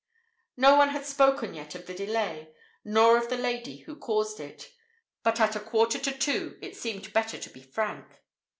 No one had spoken yet of the delay, nor of the lady who caused it; but at a quarter to two it seemed better to be frank.